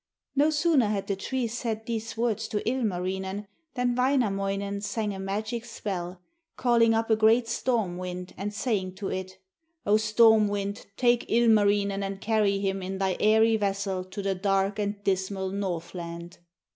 No sooner had the tree said these words to Ilmarinen, than Wainamoinen sang a magic spell, calling up a great storm wind, and saying to it: 'O storm wind, take Ilmarinen and carry him in thy airy vessel to the dark and dismal Northland.'